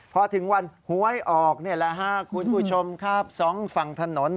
พอถึงวันหวยออกคุณผู้ชมข้าบสองฝั่งถนน